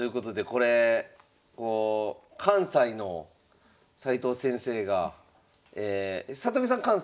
これ関西の斎藤先生が里見さん